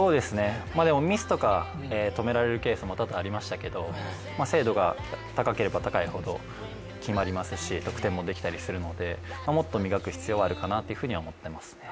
ミスとか、止められるケースも多々ありましたけど精度が高ければ高いほど決まりますし、得点もできたりするのでもっと磨く必要があるかなというふうに思っています。